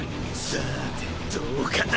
さてどうかな？